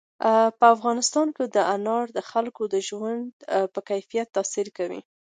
په افغانستان کې انار د خلکو د ژوند په کیفیت تاثیر کوي.